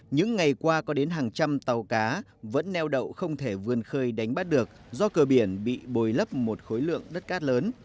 những ngày qua có đến hàng trăm tàu cá vẫn neo đậu không thể vươn khơi đánh bắt được do cơ biển bị bồi lấp một khối lượng đất cát lớn